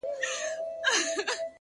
د نوم له سيـتاره دى لـوېـدلى ـ